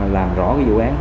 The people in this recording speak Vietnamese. làm rõ vụ án